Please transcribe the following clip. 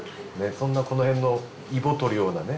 そんなこの辺のイボ取るようなね